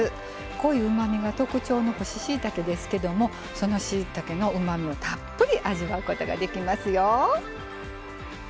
濃いうまみが特徴の干ししいたけですけどもそのしいたけのうまみをたっぷり味わうことができますよ。